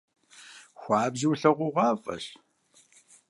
Хуабжьу улъэгъугъуафӏэщ.